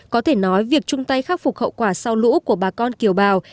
có thể nói việc chung tay khắc phục hậu quả sau lũ của bà con kiều bào